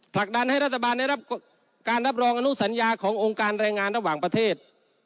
ผลักดันให้รัฐบาลได้รับการรับรองอนุสัญญาขององค์การแรงงานระหว่างประเทศ